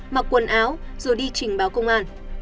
mặc quần áo rồi đi trình báo công an